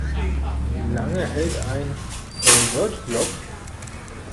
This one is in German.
Wie lange hält ein Neun-Volt-Block?